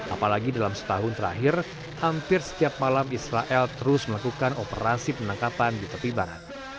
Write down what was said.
apalagi dalam setahun terakhir hampir setiap malam israel terus melakukan operasi penangkapan di tepi barat